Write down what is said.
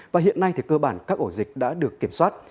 và hiện nay thì cơ bản các ổ dịch đã được kiểm soát